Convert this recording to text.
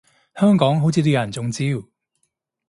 香港好似都有人中招